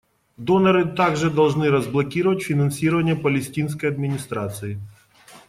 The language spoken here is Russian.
Доноры также должны разблокировать финансирование Палестинской администрации.